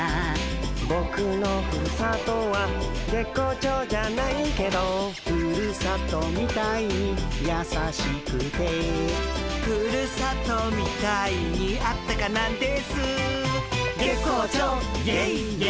「ボクのふるさとは月光町じゃないケド」「ふるさとみたいにやさしくて」「ふるさとみたいにあったかなんですー」「月光町イエイイエイ」